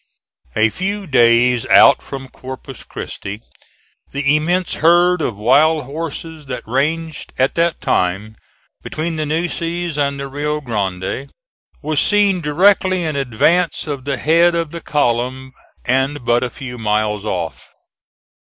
A few days out from Corpus Christi, the immense herd of wild horses that ranged at that time between the Nueces and the Rio Grande was seen directly in advance of the head of the column and but a few miles off.